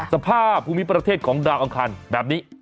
สภาพภูมิประเทศของดาวอังคารแบบนี้